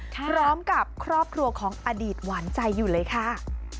พร้อมกับครอบครัวของอดีตหวานใจอยู่เลยค่ะ